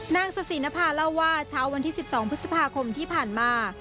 นางสสินภาเล่าว่าเช้าวันที่๑๒พฤษภาคมที่ผ่านมา